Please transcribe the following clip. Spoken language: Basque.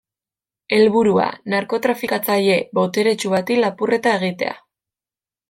Helburua: narkotrafikatzaile boteretsu bati lapurreta egitea.